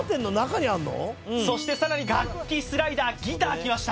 そしてさらに楽器スライダーギターきました